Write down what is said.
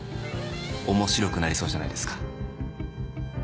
面白くなりそうじゃないですか。